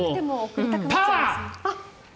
パワー！